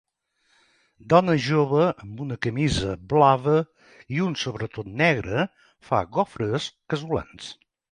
Dona jove amb una camisa blava i un sobretot negre fa gofres casolans.